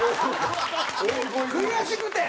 悔しくて！